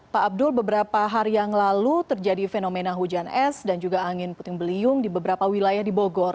pak abdul beberapa hari yang lalu terjadi fenomena hujan es dan juga angin puting beliung di beberapa wilayah di bogor